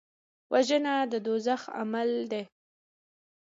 وژنه د دوزخ عمل دی